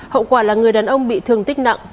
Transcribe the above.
hậu quả là người đàn ông bị thương tích nặng